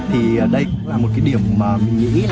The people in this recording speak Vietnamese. thì đây là một điểm mà mình nghĩ